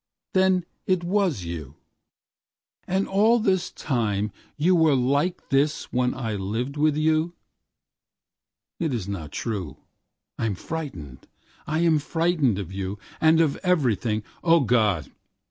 —Then it was you—And all this time you wereLike this when I lived with you.It is not true,I am frightened, I am frightened of youAnd of everything.O God!